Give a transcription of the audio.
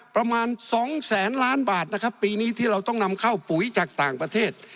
ประมาณสองแสนล้านบาทนะครับปีนี้ที่เราต้องนำเข้าปุ๋ยจากต่างประเทศ